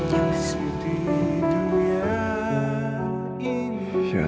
yang rasa kesepian soalnya